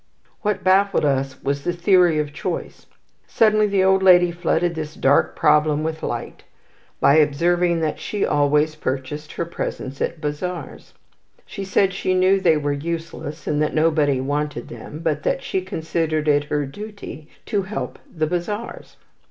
What baffled us was the theory of choice. Suddenly the old lady flooded this dark problem with light by observing that she always purchased her presents at bazaars. She said she knew they were useless, and that nobody wanted them, but that she considered it her duty to help the bazaars.